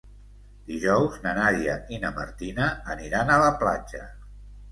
Dijous na Nàdia i na Martina aniran a la platja.